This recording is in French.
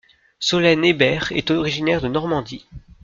Solène Hébert est originaire de Normandie.